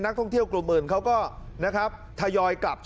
นักท่องเที่ยวกลุ่มอื่นเขาก็หยอยกลับ